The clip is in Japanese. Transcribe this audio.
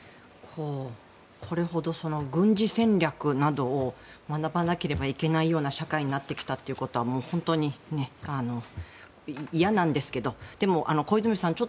これほど軍事戦略などを学ばなければいけないような社会になってきたということは本当に、嫌なんですけどでも小泉さん